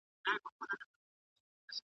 سياسي نظريې بايد وپېژندل سي.